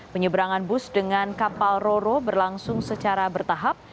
penyeberangan bus dengan kapal roro berlangsung secara bertahap